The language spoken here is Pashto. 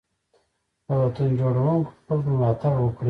د وطن جوړونکو خلګو ملاتړ وکړئ.